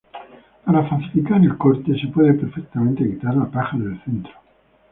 Para facilitar el corte, se puede perfectamente quitar la paja del centro.